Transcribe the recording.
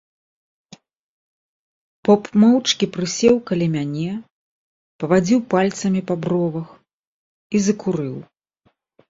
Поп моўчкі прысеў каля мяне, павадзіў пальцамі па бровах і закурыў.